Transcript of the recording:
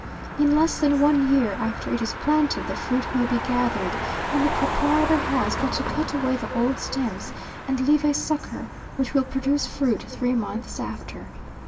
In less than one year after it is planted the fruit may be gathered and the proprietor has but to cut away the old stems and leave a sucker, which will produce fruit three months after.